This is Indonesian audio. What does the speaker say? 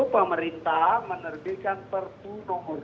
pemerintah menerbitkan perpu nomor dua